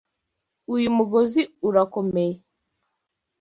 Uyu mugozi urakomeye.